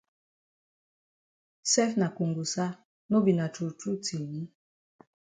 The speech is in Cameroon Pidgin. Sef na kongosa no be na true true tin?